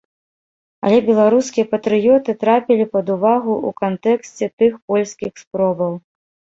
Але беларускія патрыёты трапілі пад увагу ў кантэксце тых польскіх спробаў.